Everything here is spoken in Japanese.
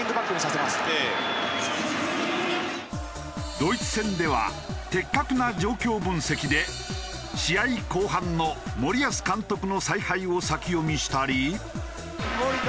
ドイツ戦では的確な状況分析で試合後半の森保監督の采配を先読みしたり。